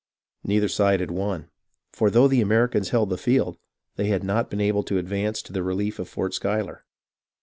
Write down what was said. Neither side had won; for though the Americans held the field, they had not been able to advance to the relief of Fort Schuyler.